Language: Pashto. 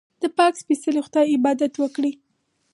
د پاک سپېڅلي خدای عبادت وکړئ.